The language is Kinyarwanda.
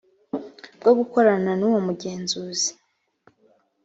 bwo gukorana n uwo mugenzuzi